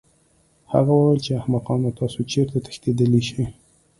هغه وویل چې احمقانو تاسو چېرته تښتېدلی شئ